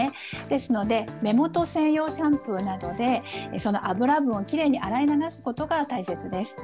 ですので、目元専用シャンプーなどで、その油分をきれいに洗い流すことが大切です。